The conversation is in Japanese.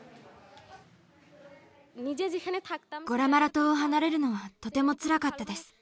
ゴラマラ島を離れるのはとてもつらかったです。